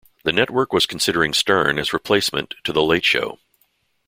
The network was considering Stern as replacement to "The Late Show".